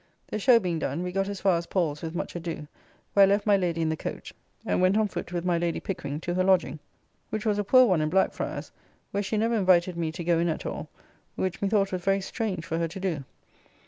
The show being done, we got as far as Paul's with much ado, where I left my Lady in the coach, and went on foot with my Lady Pickering to her lodging, which was a poor one in Blackfryars, where she never invited me to go in at all, which methought was very strange for her to do.